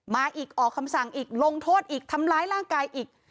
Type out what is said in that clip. มาอีกออกคำสั่งอีกลงโทษอีกทำร้ายร่างกายอีก